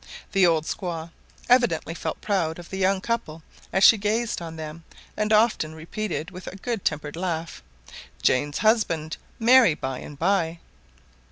The old squaw evidently felt proud of the young couple as she gazed on them, and often repeated, with a good tempered laugh, "Jane's husband marry by and by."